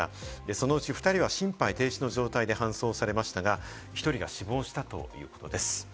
そのうち２人は心肺停止の状態で搬送されましたが、１人が死亡したということです。